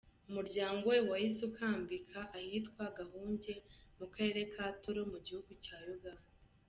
Umuryango we wahise ukambika ahitwa Gahunge, mu karere ka Toro mu gihugu cya Uganda.